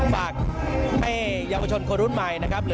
ฝากแม่ยาวเชิญคนรุ่นใหม่